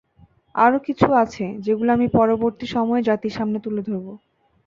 আরও কিছু আছে, যেগুলো আমি পরবর্তী সময়ে জাতির সামনে তুলে ধরব।